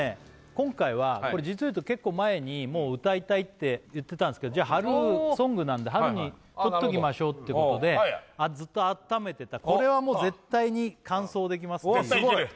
今回は実をいうと結構前にもう歌いたいって言ってたんですけど春ソングなんで春にとっときましょうってことでずっとあっためてたこれはもう絶対に完走できます絶対できる